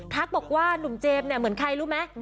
บอกว่าหนุ่มเจมส์เนี่ยเหมือนใครรู้ไหม